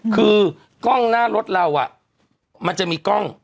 คือกล้องหน้ารถเรามันจะมีกล้อง